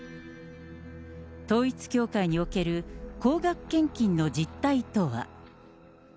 統一教会における高額献金の実態とは。